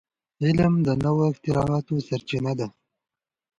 علم د نوو اختراعاتو سرچینه ده.